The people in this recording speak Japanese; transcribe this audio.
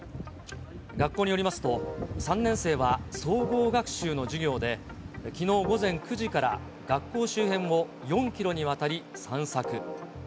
学校によりますと、３年生は総合学習の授業で、きのう午前９時から、学校周辺を４キロにわたり散策。